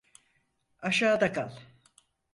Aşağıda kal!